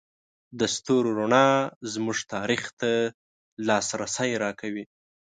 د ستورو رڼا زموږ تاریخ ته لاسرسی راکوي.